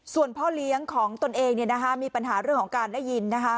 ส่วนพ่อเลี้ยงของตนเองเนี่ยนะคะมีปัญหาเรื่องของการได้ยินนะคะ